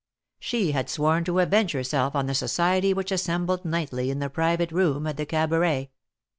She had sworn to avenge herself on the society which assembled nightly in the private room at the Cabaret.